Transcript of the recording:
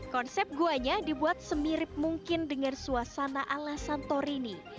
konsep guanya dibuat semirip mungkin dengan suasana ala santorini